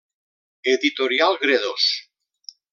Editorial Gredos.